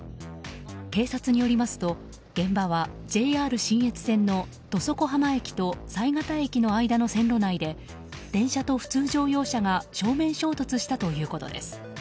警察によりますと現場はＪＲ信越線の土底浜駅と犀潟駅の間の線路内で電車と普通乗用車が正面衝突したということです。